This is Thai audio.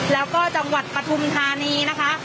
แล้วก็จังหวัดปฐุมธานีนะคะ